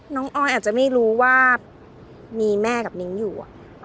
อ้อยอาจจะไม่รู้ว่ามีแม่กับนิ้งอยู่